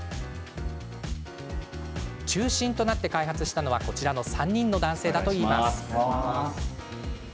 中心となって開発したのはこちらの３人の男性だといいます。